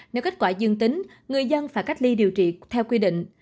nếu kết quả dương tính người dân phải cách ly điều trị theo quy định